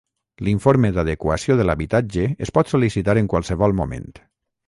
L'informe d'adequació de l'habitatge es pot sol·licitar en qualsevol moment.